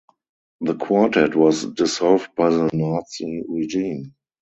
The quartet was dissolved by the Nazi regime.